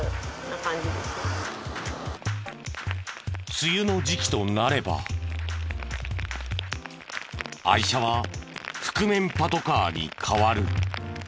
梅雨の時期となれば愛車は覆面パトカーに変わる。